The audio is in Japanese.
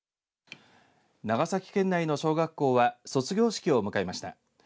長崎県内の小学校は卒業式を迎えました。